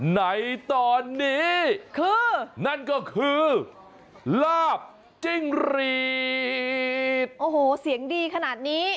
ในตอนนี้คือนั่นก็คือลาบจิ้งรีดโอ้โหเสียงดีขนาดนี้